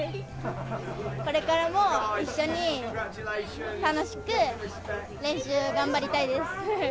これからも一緒に楽しく、練習頑張りたいです。